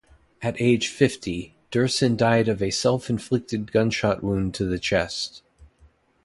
At age fifty, Duerson died of a self-inflicted gunshot wound to the chest.